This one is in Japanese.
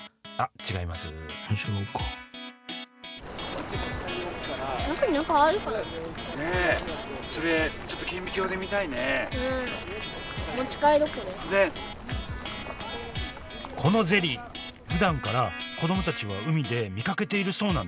違うかこのゼリーふだんから子どもたちは海で見かけているそうなんです。